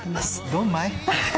ドンマイ。